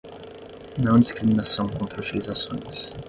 Não discriminação contra utilizações.